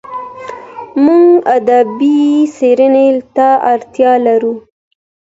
موږ ادبي څېړني ته اړتیا لرو.